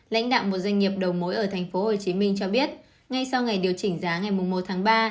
lãnh đạo một doanh nghiệp đầu mối ở tp hcm cho biết ngay sau ngày điều chỉnh giá ngày một tháng ba